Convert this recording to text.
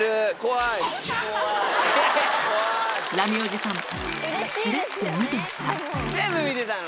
ラミおじさん、しれっと見てました。